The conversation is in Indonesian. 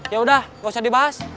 yaudah gak usah dibahas